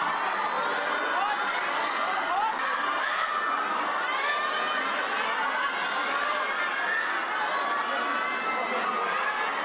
น้องน้องจะพูดหนึ่งนะครับร่างกายสูงรุ่นเสียงแรงนะครับ